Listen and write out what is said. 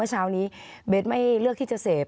ขอบคุณครับ